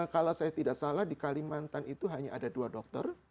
kalau saya tidak salah di kalimantan itu hanya ada dua dokter